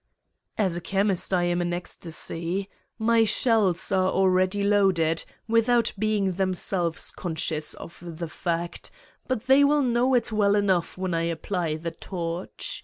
"As a chemist, I am in ecstasy. My shells are already loaded, without being themselves con 176 Satan's Diary scions of the fact, but they will know it well enough when I apply the torch.